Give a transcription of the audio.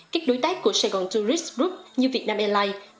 các đối tác của saigon tourist group như việt nam airlines